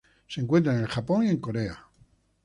Se encuentra en el Japón y Corea.